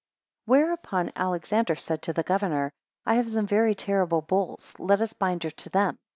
11 Whereupon Alexander said to the governor, I have some very terrible bulls; let us bind her to them.